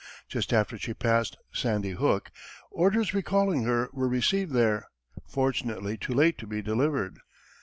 Just after she passed Sandy Hook, orders recalling her were received there, fortunately too late to be delivered.